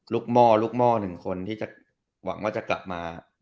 หม้อลูกหม้อหนึ่งคนที่จะหวังว่าจะกลับมา